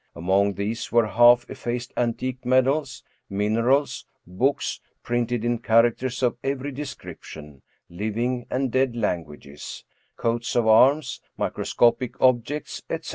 Among these were half effaced antique medals, minerals, books printed 219 True Stories of Modern Magic in characters of every description (living and dead lan guages), coats of arms, microscopic objects, etc.